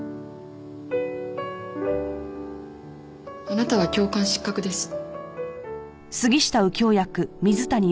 あなたは教官失格です。